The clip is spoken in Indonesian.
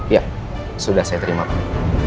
iya sudah saya terima pak